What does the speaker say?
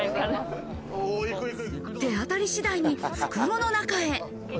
手当たり次第に袋の中へ。